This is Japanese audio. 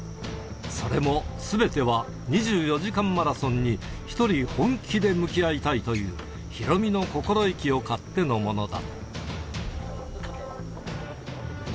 それもすべては２４時間マラソンに１人本気で向き合いたいというヒロミの心意気を買ってのものだ。